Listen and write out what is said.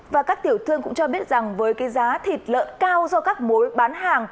và các tiểu thương cũng cho biết rằng với giá thịt lợn cao do các mối bán hàng